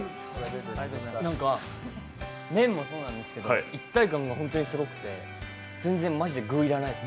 何か麺もそうなんですけど一体感が本当にすごくて全然マジで具要らないです。